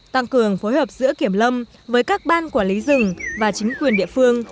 tăng cường phối hợp giữa kiểm lâm với các ban quản lý rừng và chính quyền địa phương